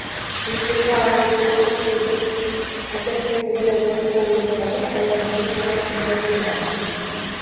Musiqa ovozi eshitilib turgan kichik akasining derazasi yoniga borib ovozimning boricha vovulladim